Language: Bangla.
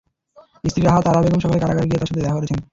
স্ত্রী রাহাত আরা বেগম সকালে কারাগারে গিয়ে তাঁর সঙ্গে দেখা করেছেন।